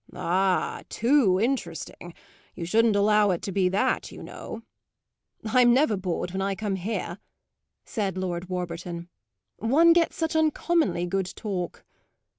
"Ah, too interesting; you shouldn't allow it to be that, you know!" "I'm never bored when I come here," said Lord Warburton. "One gets such uncommonly good talk."